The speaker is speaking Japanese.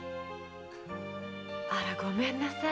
あらごめんなさい